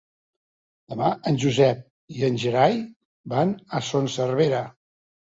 Demà en Josep i en Gerai van a Son Servera.